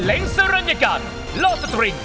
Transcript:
เล็งสรรญกันโลกสตริงค์